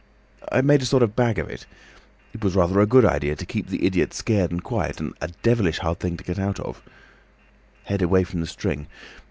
"Made a sort of bag of it. It was rather a good idea to keep the idiot scared and quiet, and a devilish hard thing to get out of—head away from the string.